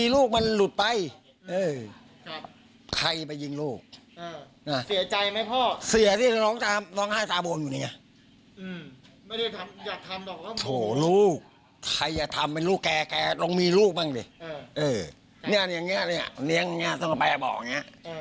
เลี้ยงบ้านได้จัดทำลูกบ้างสิเนี่ยแบบเนี่ยเนี้ยต้องไปบอกเนี่ย